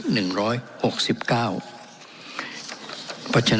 เป็นของวุทธธิสมาชิก๑๐๐